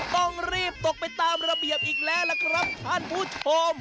ต้องรีบตกไปตามระเบียบอีกแล้วล่ะครับท่านผู้ชม